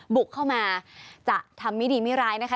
บุกเข้ามาจะทำไม่ดีไม่ร้ายนะคะ